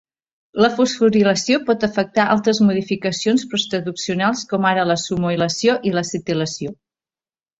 La fosforilació por afectar altres modificacions postraduccionals, com ara la SUMOilació i l'acetilació.